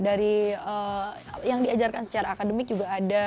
dari yang diajarkan secara akademik juga ada